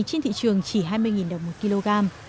trên thị trường chỉ hai mươi đồng một kg